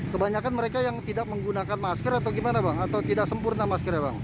kebanyakan mereka yang tidak menggunakan masker atau gimana bang atau tidak sempurna maskernya bang